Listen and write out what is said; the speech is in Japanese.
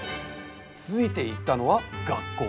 続いて行ったのは学校。